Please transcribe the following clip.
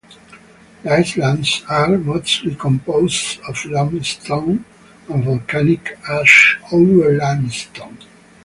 The islands are mostly composed of limestone and volcanic ash over limestone.